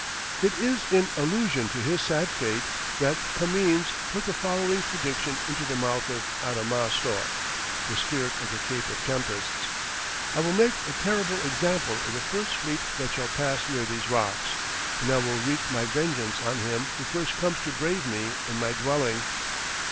It is in allusion to his sad fate that Camoens puts the following prediction into the mouth of Adamastor, the spirit of the Cape of Tempests. "I will make a terrible example of the first fleet that shall pass near these rocks, and I will wreak my vengeance on him who first comes to brave me in my dwelling."